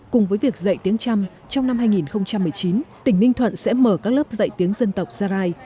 cùng với việc dạy tiếng trăm trong năm hai nghìn một mươi chín tỉnh ninh thuận sẽ mở các lớp dạy tiếng dân tộc gia rai